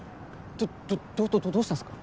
どどうしたんすか？